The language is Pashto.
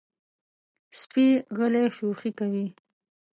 سپي غلی شوخي کوي.